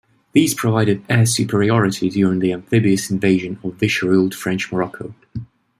These provided air superiority during the amphibious invasion of Vichy-ruled French Morocco.